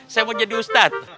saya mau jadi ustadz